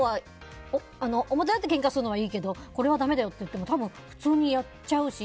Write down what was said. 表立ってけんかするのはいいけどこれはだめだよって言っても普通にやっちゃうし。